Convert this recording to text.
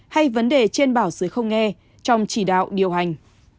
hay vấn đề trên bảo dưới không nghe trong chỉ đạo điều hành